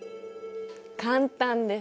簡単です！